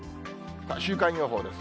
週間予報です。